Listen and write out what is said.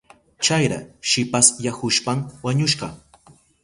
Chayra shipasyahushpan wañushka.